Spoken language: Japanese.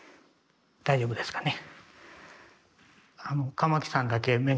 大丈夫ですかね。